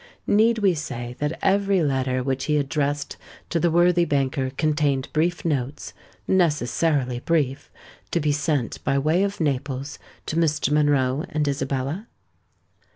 Need we say that every letter which he addressed to the worthy banker contained brief notes—necessarily brief—to be sent by way of Naples, to Mr. Monroe and Isabella?